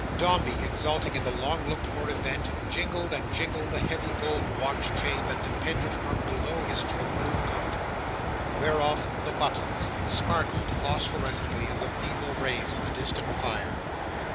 Dombey, exulting in the long looked for event, jingled and jingled the heavy gold watch chain that depended from below his trim blue coat, whereof the buttons sparkled phosphorescently in the feeble rays of the distant fire.